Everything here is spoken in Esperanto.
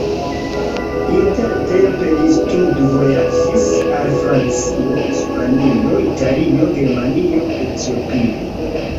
Intertempe li studvojaĝis al Francio, Hispanio, Italio, Germanio, Etiopio.